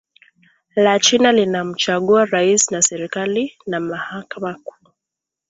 La China linalomchagua Rais na serikali na mhakama kuu